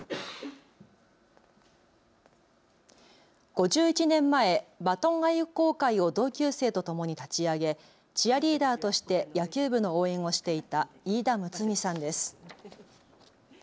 ５１年前、バトン愛好会を同級生とともに立ち上げチアリーダーとして野球部の応援をしていた飯田むつみさんです。